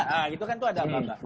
nah itu kan tuh ada aba aba